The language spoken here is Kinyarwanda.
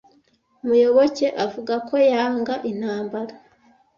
Muyoboke avuga ko yanga intambara.